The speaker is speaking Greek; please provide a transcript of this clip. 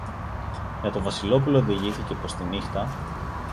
Και το Βασιλόπουλο διηγήθηκε πως τη νύχτα